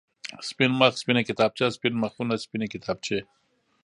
سپين مخ، سپينه کتابچه، سپين مخونه، سپينې کتابچې.